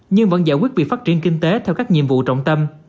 nhưng vẫn giải quyết việc phát triển kinh tế theo các nhiệm vụ trọng tâm